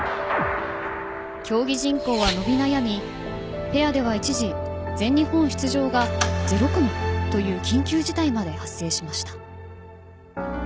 競技人口は伸び悩みペアでは一時、全日本出場が０組という緊急事態まで発生しました。